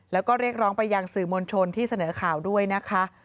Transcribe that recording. แล้วก็เรียกร้องไปยังสื่อมวลชนที่เสนอข่าวด้วยนะคะ